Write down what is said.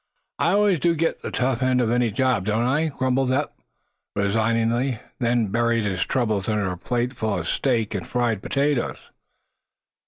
"I always do get the tough end of any job, don't I?" grumbled Eph, resignedly, then buried his troubles under a plateful of steak and fried potatoes.